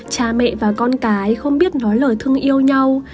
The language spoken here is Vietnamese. cha mẹ và con cái không biết nói lời thương yêu nhau